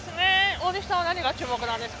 大西さんは何が注目ですか？